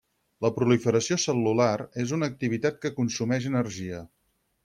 La proliferació cel·lular és una activitat que consumeix energia.